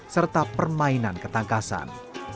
serta permainan ketangkasan